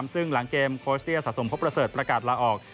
ซึ่งหลังเกมโคชเตี้ยสะสมพบประเสริฐประกาศลาออก